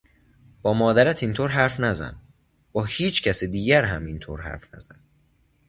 با مادرت این طور حرف نزن، با هیچکس دیگر هم این طور حرف نزن!